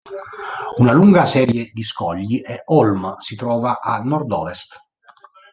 Una lunga serie di scogli e "holm" si trova a nord-ovest.